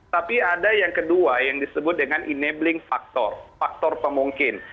tapi ada yang kedua yang disebut dengan enabling factor faktor pemungkin